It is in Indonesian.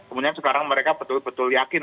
kemudian sekarang mereka betul betul yakin